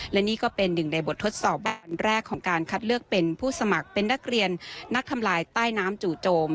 และนี่ก็เป็นหนึ่งในบททดสอบแบบอันแรกของการคัดเลือกเป็นผู้สมัครเป็นนักเรียนนักทำลายใต้น้ำจู่โจม